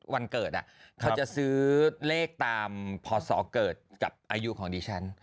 วันเกิดเขาจะซื้อเลขตามพศเกิดกับอายุของดิฉัน